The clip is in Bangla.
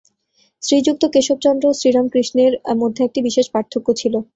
শ্রীযুক্ত কেশবচন্দ্র সেন ও শ্রীরামকৃষ্ণের মধ্যে একটি বিশেষ পার্থক্য ছিল।